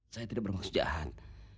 saya tidak bermaksud jahat